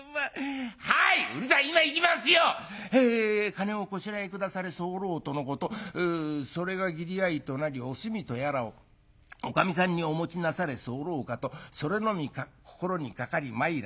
『金をこしらえ下され候とのことそれが義理合いとなりおすみとやらをおかみさんにお持ちなされ候かとそれのみ心にかかり参らせ候。